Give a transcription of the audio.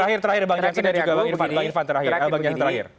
saya ingin apa mendebalkan apa yang disampaikan oleh pak jensen